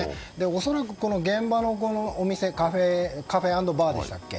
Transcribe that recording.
恐らく現場のお店カフェアンドバーでしたっけ。